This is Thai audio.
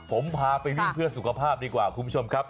ผมพาไปวิ่งเพื่อสุขภาพดีกว่าคุณผู้ชมครับ